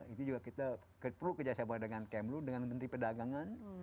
itu juga kita perlu kerjasama dengan kmlu dengan menteri pedagangan